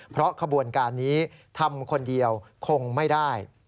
เพราะขบวนการนี้ทำคนเดียวคงไม่ได้